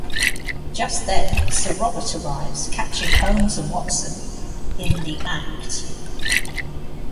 Just then, Sir Robert arrives, catching Holmes and Watson in the act.